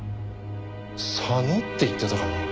佐野って言ってたかな？